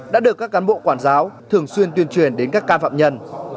đã được các cán bộ quản giáo thường xuyên tuyên truyền đến các ca phạm nhân